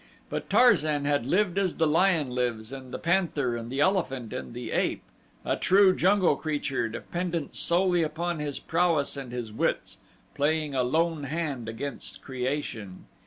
But Tarzan had lived as the lion lives and the panther and the elephant and the ape a true jungle creature dependent solely upon his prowess and his wits, playing a lone hand against creation.